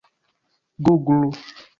guglu